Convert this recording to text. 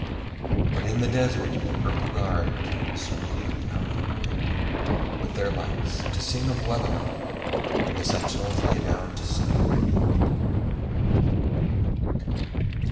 But in the desert the purple guard came swinging out of Merimna with their lights to sing of Welleran, and the sentinels lay down to sleep.